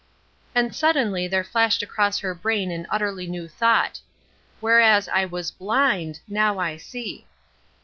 And suddenly there flashed across her brain an utterly new thought. "Whereas I was blind, now I see."